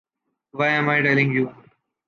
Why am i telling you?